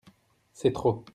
C'est trop.